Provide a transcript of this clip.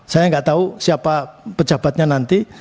saya nggak tahu siapa pejabatnya nanti